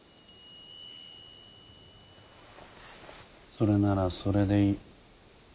それならそれでいい。